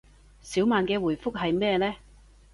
小曼嘅回覆係咩呢